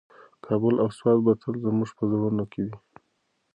کابل او سوات به تل زموږ په زړونو کې وي.